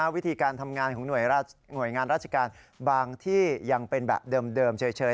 วิธีการทำงานของหน่วยงานราชการบางที่ยังเป็นแบบเดิมเฉย